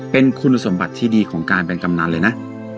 เป็นคุณสมบัติที่ดีของการเป็นกำนันเลยนะ